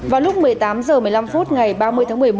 vào lúc một mươi tám h một mươi năm phút ngày ba mươi tháng một mươi một